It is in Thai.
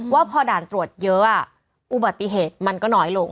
ว่าพอด่านตรวจเยอะอุบัติเหตุมันก็น้อยลง